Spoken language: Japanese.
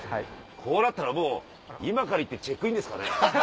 こうなったらもう今から行ってチェックインですかね。